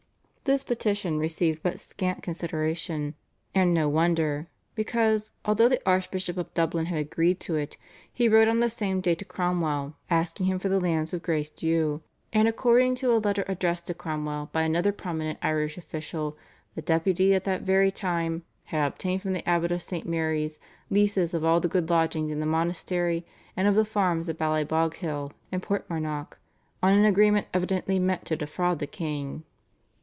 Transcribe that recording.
" This petition received but scant consideration, and no wonder; because, although the Archbishop of Dublin had agreed to it, he wrote on the same day to Cromwell asking him for the lands of Grace Dieu, and, according to a letter addressed to Cromwell by another prominent Irish official, the Deputy at that very time "had obtained from the abbot of St. Mary's leases of all the good lodgings in the monastery, and of the farms of Ballyboghill and Portmarnock on an agreement evidently meant to defraud the king."